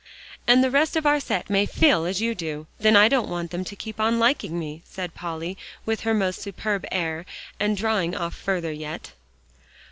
"And the rest of our set may feel as you do; then I don't want them to keep on liking me," said Polly, with her most superb air, and drawing off further yet.